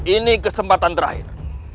ini kesempatan terakhir